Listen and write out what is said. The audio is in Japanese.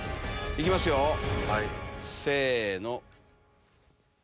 行きますよせの！